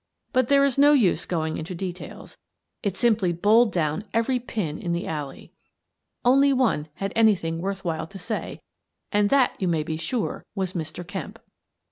But there is no use going into details. It simply bowled down every pin in the alley. Only one had anything worth while to say and that, you may be sure, was Mr. Kemp.